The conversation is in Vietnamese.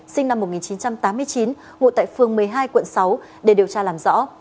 sinh năm một nghìn chín trăm tám mươi chín ngụ tại phường một mươi hai quận sáu để điều tra làm rõ